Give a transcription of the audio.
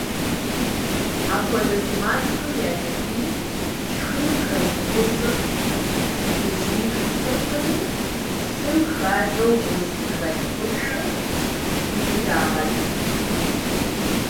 Апхуэдэ сымаджэхэм я кӏэтӏийм шхыным хэлъ гъущӏыр зыщӏифыфыркъыми, лъым хакӏэу гъущӏ зыхэлъ хущхъуэ къыхудагъэкӏ.